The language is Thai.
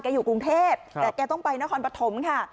อยู่กรุงเทพแต่แกต้องไปนครปฐมค่ะ